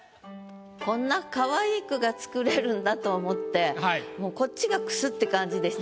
こんなかわいい句が作れるんだと思ってもうこっちがくすって感じでしたけれども。